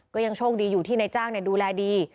ก็ยังโชคดีอยู่ที่นายจ้างดูแลดี